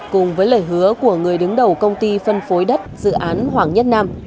cùng với lời hứa của người đứng đầu công ty phân phối đất dự án hoàng nhất nam